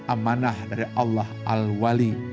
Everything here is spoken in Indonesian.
amanah dari allah al wali